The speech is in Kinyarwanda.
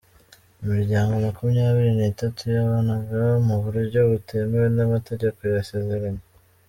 Imiryango makumyabiri n’itanu yabanaga mu buryo butemewe n’amategeko yasezeranye